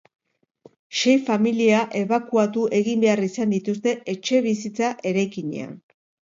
Sei familia ebakuatu egin behar izan dituzte etxebizitza eraikinean.